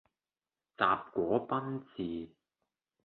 什果賓治